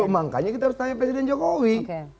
makanya kita harus tanya presiden jokowi